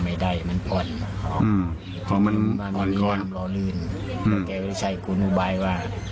สินแล้วมันจะเอาเข่า